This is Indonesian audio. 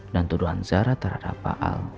dan tuduhan zara terhadap paal